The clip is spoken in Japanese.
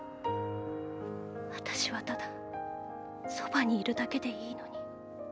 私はただそばにいるだけでいいのに。